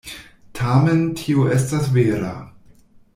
Tamen tio estas vera.